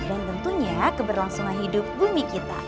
dan tentunya keberlangsungan hidup bumi kita